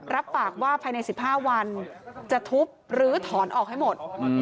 รับปากว่าภายใน๑๕วันจะทุบหรือถอนออกให้หมด